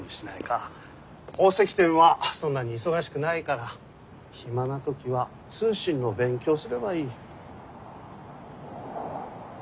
宝石店はそんなに忙しくないから暇な時は通信の勉強をすればいい。